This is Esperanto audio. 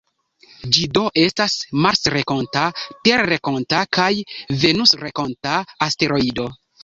Ĝi do estas marsrenkonta, terrenkonta kaj venusrenkonta asteroido.